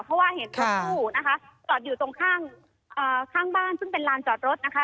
เพราะว่าเห็นรถตู้นะคะจอดอยู่ตรงข้างข้างบ้านซึ่งเป็นลานจอดรถนะคะ